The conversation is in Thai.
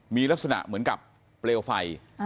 มีลักษณะเหมือนกับเปลวไฟ